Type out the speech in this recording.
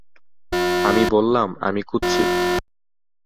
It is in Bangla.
আমি বললাম, 'আমি কুৎসিত।